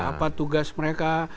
apa tugas mereka